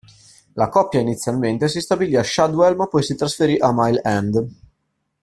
La coppia inizialmente si stabilì a Shadwell ma poi si trasferì a Mile End.